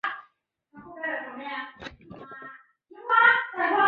熊本县立大学